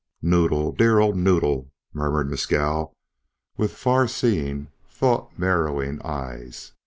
"Noddle! dear old Noddle!" murmured Mescal, with far seeing, thought mirroring eyes.